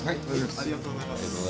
ありがとうございます。